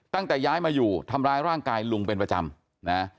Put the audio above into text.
ตั้งแต่ย้ายมาอยู่ทำร้ายร่างกายลุงเป็นประจำนะ